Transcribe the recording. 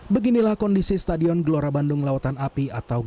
beginilah kondisi stadion gelora bandung lautan api atau gro